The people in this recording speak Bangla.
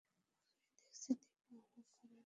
অবাক হয়ে দেখি, দিপা আমার ঘরে।